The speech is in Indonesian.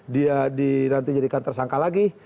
dia di nanti jadikan tersangka lagi